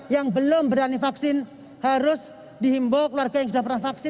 yang belum berani vaksin harus dihimbau keluarga yang sudah pernah vaksin